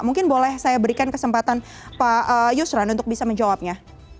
mungkin boleh saya berikan kesempatan pak yusran untuk bisa menjawabnya